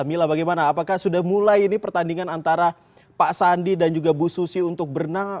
mila bagaimana apakah sudah mulai ini pertandingan antara pak sandi dan juga bu susi untuk berenang